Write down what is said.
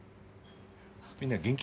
みんな元気？